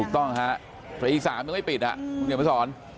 ถูกต้องครับอีก๓มันไม่ปิดอ่ะเดี๋ยวมาสอน